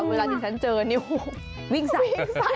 เวลาที่ฉันเจอนี่วิ่งใส่